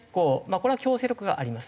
これは強制力があります。